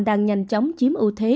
đang nhanh chóng chiếm ưu thế